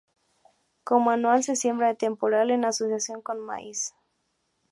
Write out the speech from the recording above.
Como anual, se siembra de temporal en asociación con maíz.